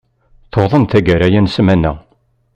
Tuḍen tagara-ya n ssmana.